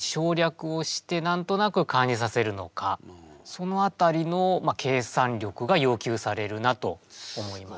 その辺りの計算力が要求されるなと思います。